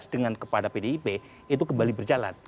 dengan kepada pdip itu kembali berjalan